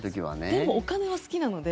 でも、お金は好きなので。